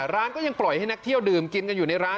ร้านก็ยังปล่อยให้นักเที่ยวดื่มกินกันอยู่ในร้าน